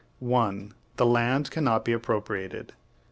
% 1. The Land cannot be Appropriated.